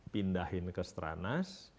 pindahin ke stranas